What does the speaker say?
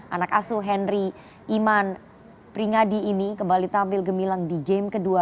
anak asuh henry iman pringadi ini kembali tampil gemilang di game kedua